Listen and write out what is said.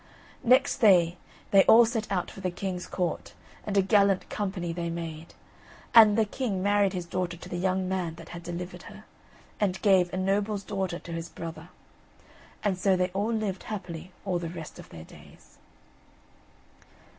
Next day they all set out for the king's court, and a gallant company they made. And the king married his daughter to the young man that had delivered her, and gave a noble's daughter to his brother; and so they all lived happily all the rest of their days.